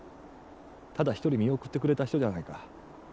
ただ一人見送ってくれた人ではないか。